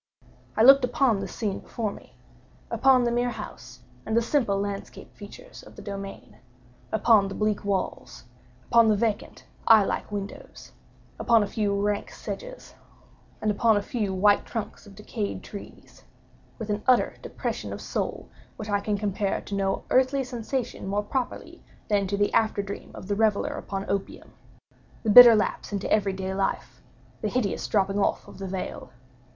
I looked upon the scene before me—upon the mere house, and the simple landscape features of the domain—upon the bleak walls—upon the vacant eye like windows—upon a few rank sedges—and upon a few white trunks of decayed trees—with an utter depression of soul which I can compare to no earthly sensation more properly than to the after dream of the reveller upon opium—the bitter lapse into everyday life—the hideous dropping off of the veil.